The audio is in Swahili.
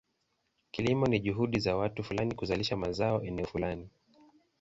Kilimo ni juhudi za watu fulani kuzalisha mazao eneo fulani.